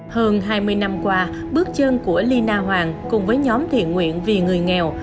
hơn hai mươi năm qua bước chân của lina hoàng cùng với nhóm thiện nguyện vì người nghèo